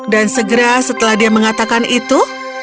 dan segera setelah dia mengatakan itu